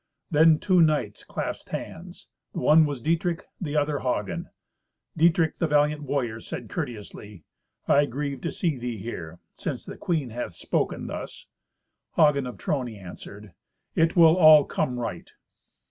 Then two knights clasped hands—the one was Dietrich, the other Hagen. Dietrich, the valiant warrior, said courteously, "I grieve to see thee here, since the queen hath spoken thus." Hagen of Trony answered, "It will all come right."